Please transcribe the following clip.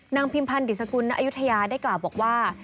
พิมพันธ์ดิสกุลณอายุทยาได้กล่าวบอกว่า